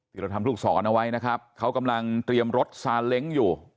ที่เราทำลูกศรเอาไว้นะครับเขากำลังเตรียมรถซาเล้งอยู่